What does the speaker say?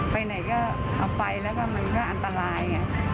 ไปไหนก็เอาไปแล้วก็มันก็อันตรายไง